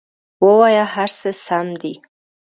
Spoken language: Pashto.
ووایه هر څه سم دي!